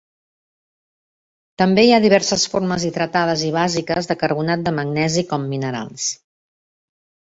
També hi ha diverses formes hidratades i bàsiques de carbonat de magnesi com minerals.